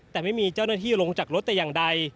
แต่ไม่มีเจ้าหน้าที่ลงจากรถแต่อย่างใด